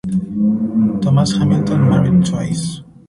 Thomas Hamilton married twice.